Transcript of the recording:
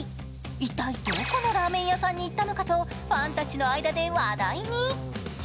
一体、どこのラーメン屋さんに行ったのかとファンたちの間で話題に。